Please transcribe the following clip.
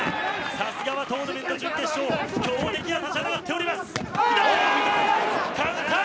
さすがはトーナメント準決勝強敵が立ちはだかっています。